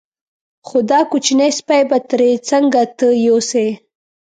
خو دا کوچنی سپی به ترې څنګه ته یوسې.